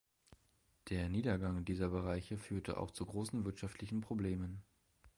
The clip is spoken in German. Der Niedergang dieser Bereiche führte auch zu großen wirtschaftlichen Problemen.